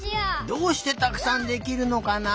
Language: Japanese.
どうしてたくさんできるのかな？